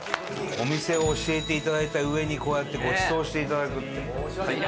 お店を教えていただいたうえにこうやってごちそうしていただくって。